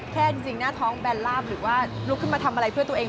จริงหน้าท้องแบนลาบหรือว่าลุกขึ้นมาทำอะไรเพื่อตัวเอง